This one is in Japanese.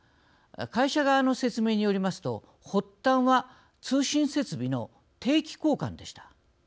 会社側の説明によりますと発端は通信設備の定期交換でした。